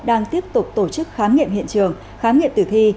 đang tiếp tục tổ chức khám nghiệm hiện trường khám nghiệm tử thi